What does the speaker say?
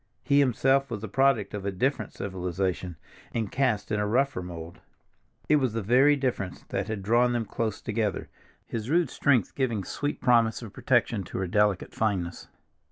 He himself was the product of a different civilization, and cast in a rougher mold. It was the very difference that had drawn them close together, his rude strength giving sweetest promise of protection to her delicate fineness.